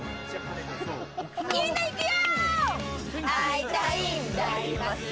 みんな、いくよ！